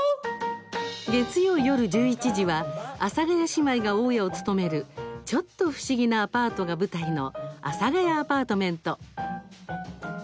月曜夜１１時は阿佐ヶ谷姉妹が大家を務めるちょっと不思議なアパートが舞台の「阿佐ヶ谷アパートメント」。